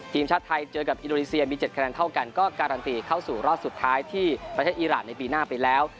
ทีมชาติไทยเจอกับอินโดนีเซียมี๗คะแนนเท่ากันก็การันตีเข้าสู่รอบสุดท้ายที่ประเทศอีรานในปีหน้าไปแล้ว